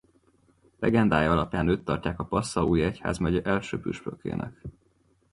Legendája alapján őt tartják a Passaui egyházmegye első püspökének.